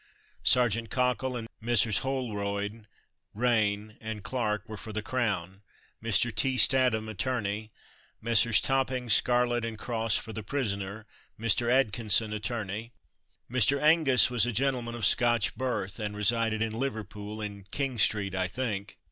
Sergeant Cockle, and Messrs. Holroyd, Raine and Clark, were for the Crown; Mr. T. Statham, attorney. Messrs. Topping, Scarlett, and Cross for the prisoner; Mr. Atkinson, attorney. Mr. Angus was a gentleman of Scotch birth, and resided in Liverpool in King street, I think.